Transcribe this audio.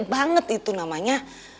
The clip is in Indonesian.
kayak banget itu namanya